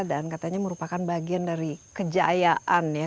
dan katanya merupakan bagian dari kejayaan ya